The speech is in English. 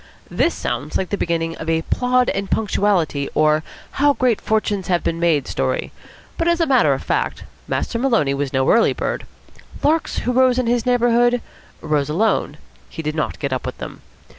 This sounds like the beginning of a "Plod and Punctuality," or "How Great Fortunes have been Made" story; but, as a matter of fact, Master Maloney was no early bird. Larks who rose in his neighbourhood, rose alone. He did not get up with them.